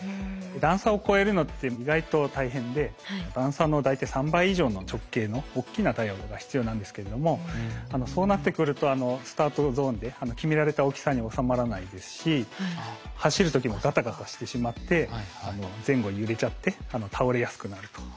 段差を越えるのって意外と大変で段差の大体３倍以上の直径の大きなタイヤが必要なんですけれどもそうなってくるとスタートゾーンで決められた大きさに収まらないですし走る時もガタガタしてしまって前後に揺れちゃって倒れやすくなると。